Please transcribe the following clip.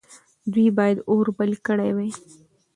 دوی باید اور بل کړی وای.